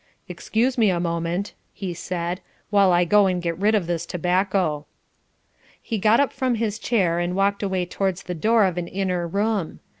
"Excuse me a moment," he said, "while I go and get rid of this tobacco." He got up from his chair and walked away towards the door of an inner room.